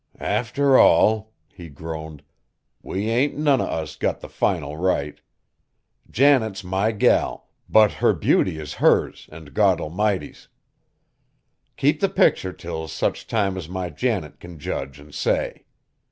"Arter all," he groaned, "we ain't none o' us got the final right. Janet's my gal, but her beauty is hers, an' God Almighty's. Keep the picter till such time as my Janet can judge an' say.